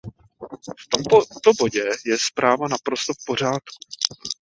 V tomto bodě je zpráva naprosto v pořádku.